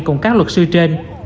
cùng các luật sư trên